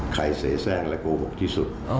ใครเศษแซงและโกหกที่สุด